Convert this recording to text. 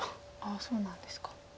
そうなんですか。